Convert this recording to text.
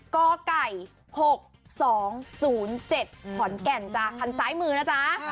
กไก่๖๒๐๗ขอนแก่นจ้ะคันซ้ายมือนะจ๊ะ